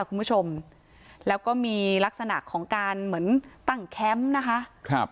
คุณผู้ชมแล้วก็มีลักษณะของการเหมือนตั้งแคมป์นะคะครับ